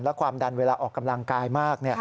และความดันเวลาออกกำลังกายมาก